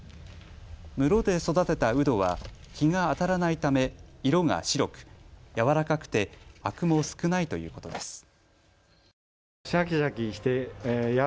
室で育てたうどは日が当たらないため色が白く柔らかくて、あくも少ないということです。